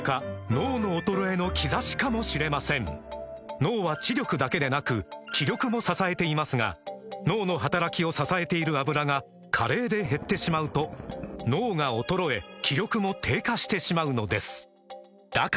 脳の衰えの兆しかもしれません脳は知力だけでなく気力も支えていますが脳の働きを支えている「アブラ」が加齢で減ってしまうと脳が衰え気力も低下してしまうのですだから！